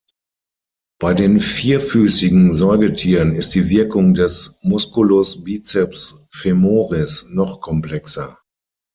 Bei den vierfüßigen Säugetieren ist die Wirkung des Musculus biceps femoris noch komplexer.